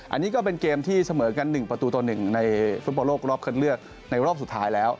อันนี้ก็เป็นเกมที่เสมอกัน๑ประตูต่อ๑ในฟุตบอลโลกรอบคันเลือกในรอบสุดท้ายแล้ว